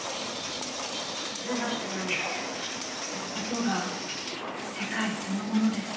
音が世界そのものです。